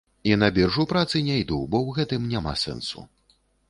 І на біржу працы не іду, бо ў гэтым няма сэнсу.